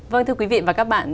vâng thưa quý vị và các bạn